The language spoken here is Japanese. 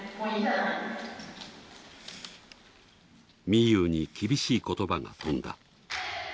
みゆうに厳しい言葉が飛んだ。